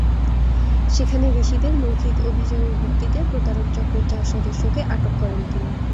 সেখানে ঋষিদের মৌখিক অভিযোগের ভিত্তিতে প্রতারক চক্রের চার সদস্যকে আটক করেন তিনি।